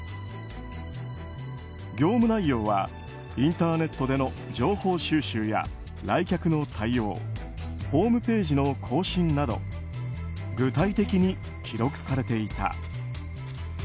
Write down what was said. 業務内容はインターネットでの情報収集や来客の対応ホームページの更新など具体的に記録されていた。